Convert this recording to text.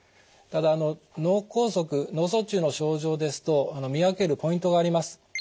ただ脳梗塞脳卒中の症状ですと見分けるポイントがあります。